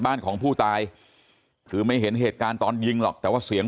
บ้านของผู้ตายคือไม่เห็นเหตุการณ์ตอนยิงหรอกแต่ว่าเสียง